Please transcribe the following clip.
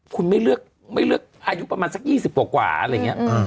คุณไม่เลือกไม่เลือกอายุประมาณสัก๒๐กว่าอะไรอย่างนี้